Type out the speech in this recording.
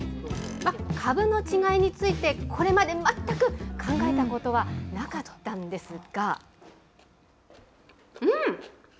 かぶの違いについてこれまで全く考えたことはなかったんですが。